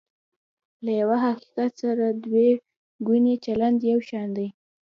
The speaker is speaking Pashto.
له یوه حقیقت سره دوه ګونی چلند یو شان دی.